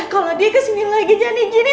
kalau dia kesini lagi jangan izini